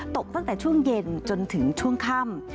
ตกตั้งแต่ช่วงเย็นจนถึงช่วงค่ำ